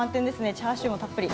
チャーシューもたっぷり。